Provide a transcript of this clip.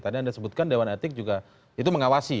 tadi anda sebutkan dewan etik juga itu mengawasi